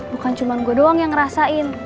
bukan cuma gue doang yang ngerasain